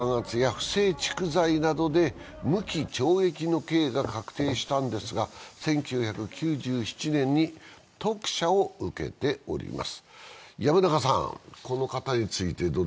退任後は民主化弾圧や不正蓄財などで無期懲役の刑が確定したんですが１９９７年に特赦を受けております。